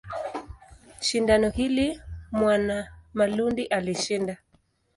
Shindano hili Mwanamalundi alishinda.